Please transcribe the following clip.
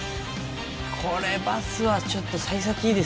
これバスはちょっと幸先いいですね。